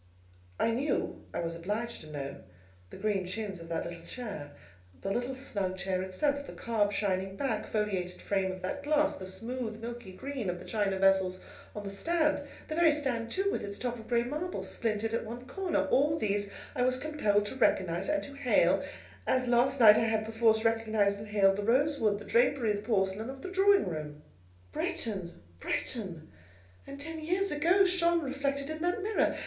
I knew—I was obliged to know—the green chintz of that little chair; the little snug chair itself, the carved, shining black, foliated frame of that glass; the smooth, milky green of the china vessels on the stand; the very stand too, with its top of grey marble, splintered at one corner;—all these I was compelled to recognise and to hail, as last night I had, perforce, recognised and hailed the rosewood, the drapery, the porcelain, of the drawing room. Bretton! Bretton! and ten years ago shone reflected in that mirror.